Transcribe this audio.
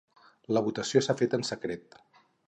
La votació s’ha fet en secret.